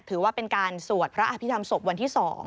ถือว่าเป็นการสวดพระอภิษฐรรมศพวันที่๒